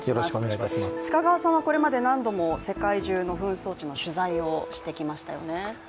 須賀川さんはこれまで何度も世界中の紛争を取材してきましたよね。